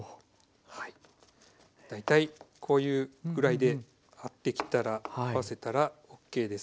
はい大体こういうぐらいであってきたらあわせたらＯＫですね。